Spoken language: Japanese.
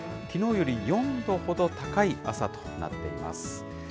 きのうより４度ほど高い朝となっています。